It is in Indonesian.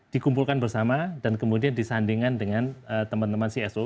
dikumpulkan bersama dan kemudian disandingkan dengan teman teman cso